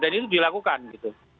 dan itu dilakukan gitu